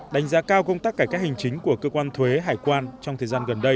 đánh giá cao công tác cải cách hành chính của cơ quan thuế hải quan trong thời gian gần đây